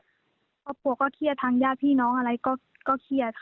ครอบครัวก็เครียดทางญาติพี่น้องอะไรก็เครียดค่ะ